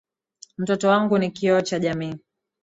Mtoto wangu ni kioo cha jamii.